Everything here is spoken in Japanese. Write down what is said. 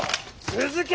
続け！